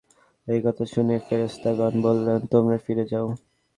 এ কথা শুনে ফেরেশতাগণ বললেনঃ তোমরা ফিরে যাও।